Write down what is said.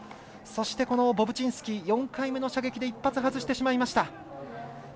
そして、ボブチンスキー４回目の射撃で１発外してしまいました。